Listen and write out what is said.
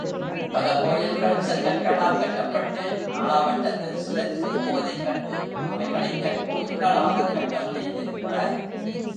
பல கோயில்கள் செங்கற்களால் கட்டப்பட்டு நாளா வட்டத்தில் சிதைந்து போவதைக் கண்டு அவைகளைக் கற்கோயில்களாகக் கட்ட முனைந்திருக்கிறார்.